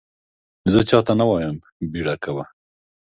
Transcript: زه چا ته نه وایم بیړه کوه !